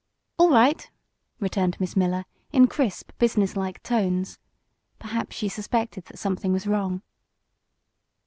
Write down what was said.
"All right!" returned Miss Miller, in crisp, business like tones. Perhaps she suspected that something was wrong.